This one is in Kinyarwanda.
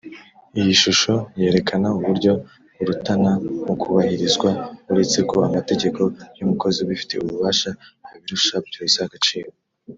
iyishusho yerekana uburyo burutana mukubahirizwa uretse ko amategeko y’umukozi ubifitiye ububasha abirusha byose agaciro